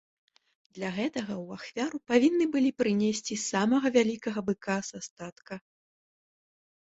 Для гэтага ў ахвяру павінны былі прынесці самага вялікага быка са статка.